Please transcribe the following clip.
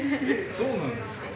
そうなんですか？